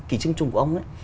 kỳ trinh trùng của ông ấy